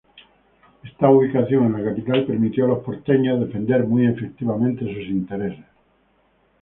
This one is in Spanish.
Esta ubicación de la capital permitió a los porteños defender muy efectivamente sus intereses.